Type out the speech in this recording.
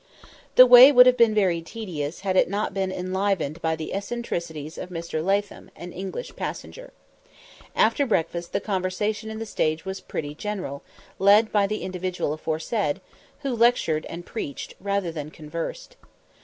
The way would have been very tedious had it not been enlivened by the eccentricities of Mr. Latham, an English passenger. After breakfast the conversation in the stage was pretty general, led by the individual aforesaid, who lectured and preached, rather than conversed.